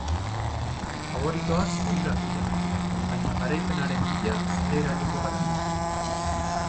Faboritoak eurak dira, baina garaipenaren bila zelairatuko gara gu.